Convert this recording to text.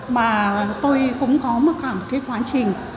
mà tôi cũng có một khoảng cái quá trình